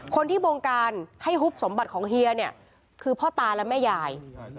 คนที่บงการให้ฮุบสมบัติของเฮียเนี่ยคือพ่อตาและแม่ยาย